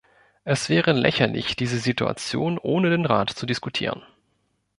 Es wäre lächerlich, diese Situation ohne den Rat zu diskutieren.